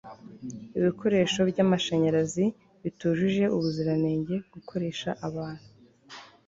ibikoresho by'amashanyarazi bitujuje ubuziranenge, gukoresha abantu